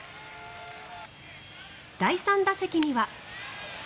第３打席には。